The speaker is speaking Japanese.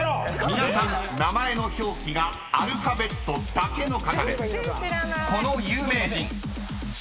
［皆さん名前の表記がアルファベットだけの方です］